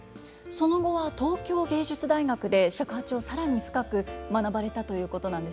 その後は東京藝術大学で尺八を更に深く学ばれたということなんですよね。